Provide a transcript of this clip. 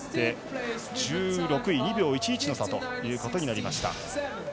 １６位２秒１１の差となりました。